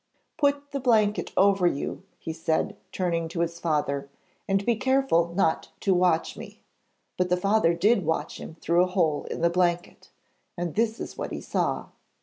'Put the blanket over you,' he said, turning to his father, 'and be careful not to watch me.' But the father did watch him through a hole in the blanket, and this is what he saw.